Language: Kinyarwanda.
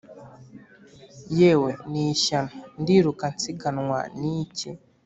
yewe nishyano ndiruka nsiganwa niki